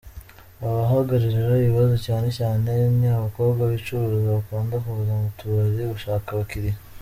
Abahagirira ibibazo cyane cyane ni abakobwa bicuruza, bakunda kuza mu tubari gushaka abakiriya.